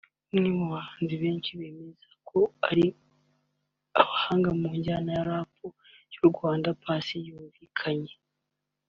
umwe mu bahanzi benshi bemeza ko ari abahanga mu njyana ya Rap y’u Rwanda Paccy yumvikanye